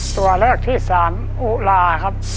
ตัวเลือกที่สามอุลาครับ